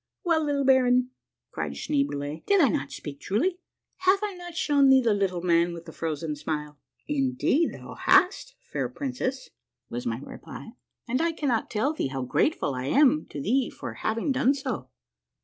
"Well, little baron," cried Schneeboule, " did I not speak truly ? Have I not shown thee the Little Man with the F rozen Smile ?"" Indeed thou hast, fair princess," was my reply ;" and I cannot tell thee how grateful I am to thee for liaving done so."